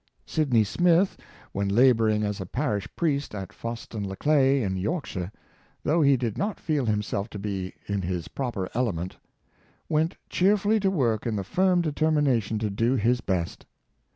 Sydney Smith, when laboring as a parish priest at Foston le Clay, in Yorkshire — though he did not feel himself to be in his proper element — went cheerfully to work in the firm determination to do his best.